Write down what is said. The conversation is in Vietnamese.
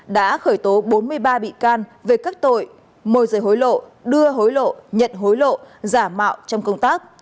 đã khởi tố bốn mươi ba bị can về các tội môi rời hối lộ đưa hối lộ nhận hối lộ giả mạo trong công tác